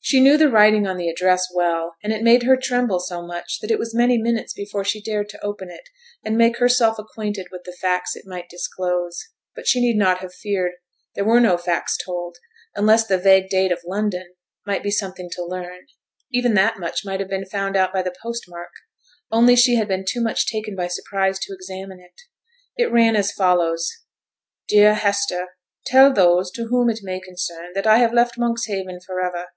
She knew the writing on the address well; and it made her tremble so much that it was many minutes before she dared to open it, and make herself acquainted with the facts it might disclose. But she need not have feared; there were no facts told, unless the vague date of 'London' might be something to learn. Even that much might have been found out by the post mark, only she had been too much taken by surprise to examine it. It ran as follows: 'DEAR HESTER, 'Tell those whom it may concern, that I have left Monkshaven for ever.